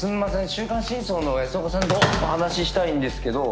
『週刊シンソウ』の安岡さんとお話ししたいんですけど。